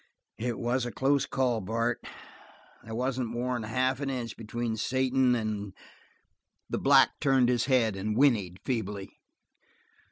"It was a close call, Bart. There wasn't more than half an inch between Satan and " The black turned his head and whinnied feebly.